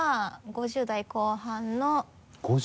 ５０代後半？